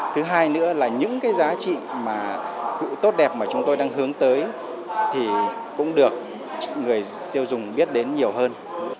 thứ hai nữa là những cái giá trị mà tốt đẹp mà chúng tôi đang hướng tới thì cũng được người tiêu dùng biết đến nhiều hơn